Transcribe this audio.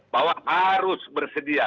bahwa harus bersedia